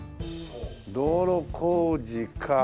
道路工事か。